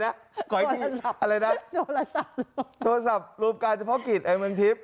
อะไรนะโทรศัพท์รวมแกงเฉพาะกิจแห่งเมืองทิพย์